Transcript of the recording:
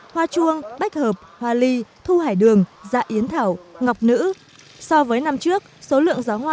hoa chuông bách hợp hoa ly thu hải đường dạ yến thảo ngọc nữ so với năm trước số lượng giáo hoa